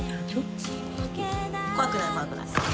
怖くない怖くない。